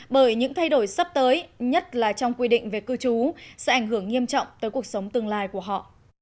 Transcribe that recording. bởi những thay đổi sắp tới nhất là trong quy định về cư trú sẽ ảnh hưởng nghiêm trọng tới cuộc sống tương lai của họ